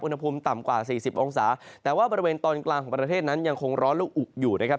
อุณหภูมิต่ำกว่าสี่สิบองศาแต่ว่าบริเวณตอนกลางของประเทศนั้นยังคงร้อนและอุอยู่นะครับ